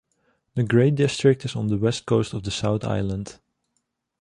The Grey District is on the West Coast of the South Island.